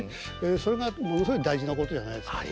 それがものすごい大事なことじゃないですかね。